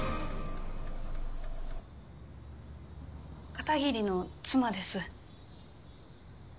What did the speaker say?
片桐の妻です。